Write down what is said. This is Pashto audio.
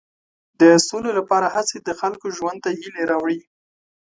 د سولې لپاره هڅې د خلکو ژوند ته هیلې راوړي.